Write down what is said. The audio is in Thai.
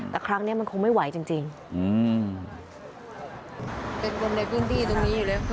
แต่ครั้งนี้มันคงไม่ไหวจริง